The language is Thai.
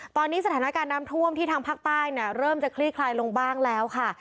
ตอนนี้สถานการณ์น้ำท่วมที่ทางภาคใต้เริ่มจะคลี่คลายลงบ้างแล้วค่ะ